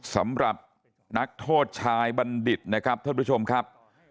สำหรับนักโทษชายบัณฑิตนะครับท่านผู้ชมครับ